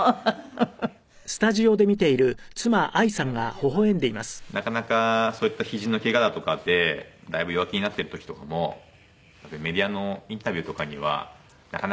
やっぱりこうなかなかそういったひじのけがだとかでだいぶ弱気になってる時とかもメディアのインタビューとかにはなかなか言えないんですよね。